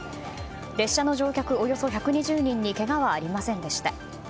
列車の乗客およそ１５０人にけがはありませんでした。